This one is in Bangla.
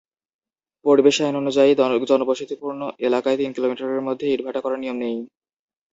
পরিবেশ আইন অনুযায়ী, জনবসতিপূর্ণ এলাকায় তিন কিলোমিটারের মধ্যে ইটভাটা করার নিয়ম নেই।